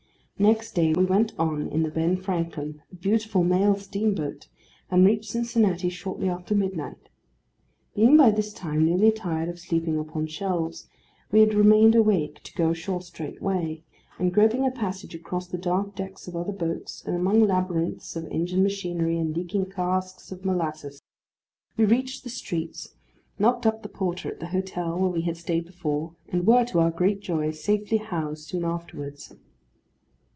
Next day we went on in the Ben Franklin, a beautiful mail steamboat, and reached Cincinnati shortly after midnight. Being by this time nearly tired of sleeping upon shelves, we had remained awake to go ashore straightway; and groping a passage across the dark decks of other boats, and among labyrinths of engine machinery and leaking casks of molasses, we reached the streets, knocked up the porter at the hotel where we had stayed before, and were, to our great joy, safely housed soon afterwards.